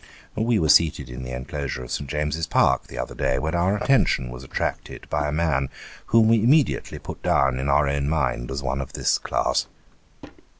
Wo were seated in the enclosure of St. James's Park the other day, when our attention was attracted by a man whom we immediately put down in our own mind as one of this class.